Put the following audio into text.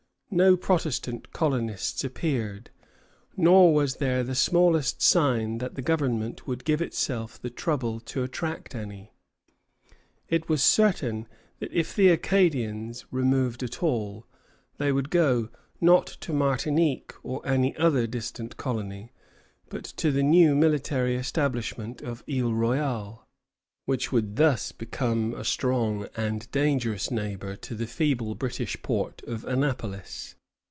No Protestant colonists appeared, nor was there the smallest sign that the government would give itself the trouble to attract any. It was certain that if the Acadians removed at all, they would go, not to Martinique or any other distant colony, but to the new military establishment of Isle Royale, which would thus become a strong and dangerous neighbor to the feeble British post of Annapolis.